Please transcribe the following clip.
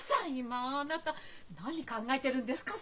まああなた何考えてるんですか？